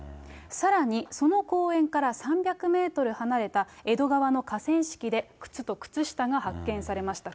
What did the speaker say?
さらにその公園から３００メートル離れた江戸川の河川敷で、靴と靴下が発見されました。